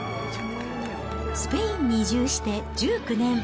スペインに移住して１９年。